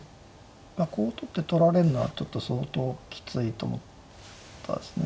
こう取って取られるのはちょっと相当きついと思ったですね。